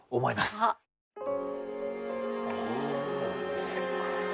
すっごい。